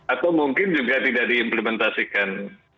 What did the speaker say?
atau mungkin juga tidak diimplementasikan